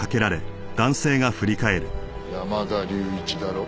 山田隆一だろ？